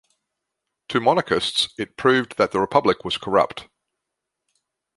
To monarchists it proved that the republic was corrupt.